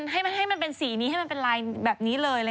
ให้มันเป็นสีนี้ให้มันเป็นลายแบบนี้เลย